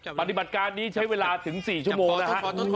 ปฏิบัติการนี้ใช้เวลาถึง๔ชั่วโมงนะฮะ